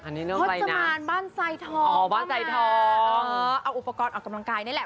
อันนี้เรื่องอะไรนะอ๋อบ้านใส่ทองก็มาเออเอาอุปกรณ์ออกกำลังกายนี่แหละ